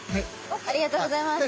ありがとうございます。